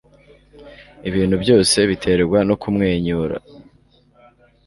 Ibintu byose biterwa no kumwenyura